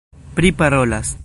priparolas